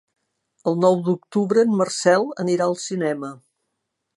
El nou d'octubre en Marcel irà al cinema.